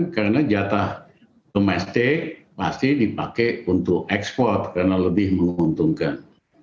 karena jatah domestik pasti dipakai untuk ekspor karena lebih menguntungkan